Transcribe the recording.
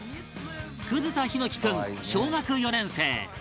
葛田枇乃樹君小学４年生